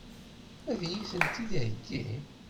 Ad iyi-tent-id-iheggi?